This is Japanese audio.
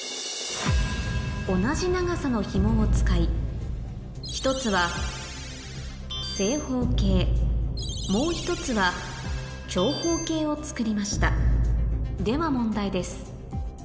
同じ長さのひもを使い１つはもう１つはを作りましたでは問題です